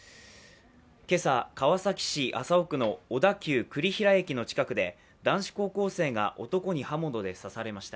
今朝、川崎市麻生区の小田急多摩線・栗平駅の地殻で男子高校生が男に刃物で刺されました。